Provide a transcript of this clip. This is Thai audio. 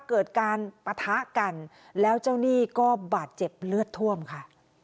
เกิดการปะทะกันแล้วเจ้าหนี้ก็บาดเจ็บเลือดท่วมค่ะ